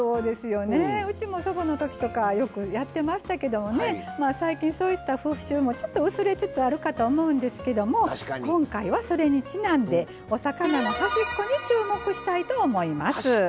うちも、祖母のときとかよくやってましたけど最近、そういった風習も薄れつつあると思いますけども今回は、それにちなんでお魚の端っこに注目したいと思います。